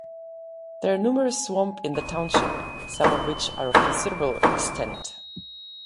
There are numerous Swamp in the Township Some of which are of considerable extent.